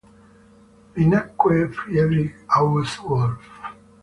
Vi nacque Friedrich August Wolf.